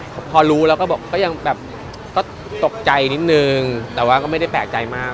พอรู้แล้วก็บอกก็ยังแบบก็ตกใจนิดนึงแต่ว่าก็ไม่ได้แปลกใจมาก